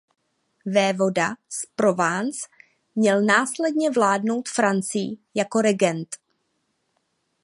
Vévoda z Provence měl následně vládnout Francii jako regent.